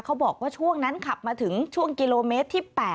เขาบอกว่าช่วงนั้นขับมาถึงช่วงกิโลเมตรที่๘